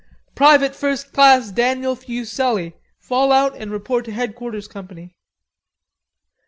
"Private 1st class Daniel Fuselli, fall out and report to headquarters company!"